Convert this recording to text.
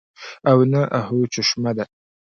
او نه اۤهو چشمه ده